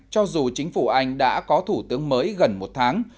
cho dù chính phủ anh đã có thủ tướng mới gần một tháng